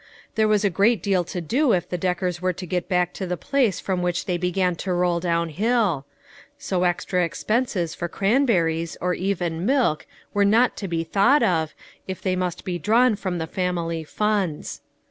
There was a great deal to do if the Deckers were to get back to the place from which they began to roll down hill ; so extra expenses for cranberries, or even milk, were not to be thought of, if they must be drawn from the family funds.